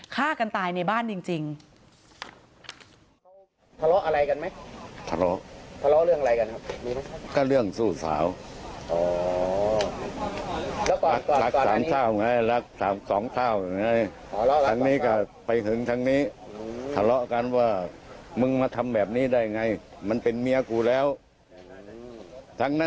ฆ่ากันตายในบ้านจริง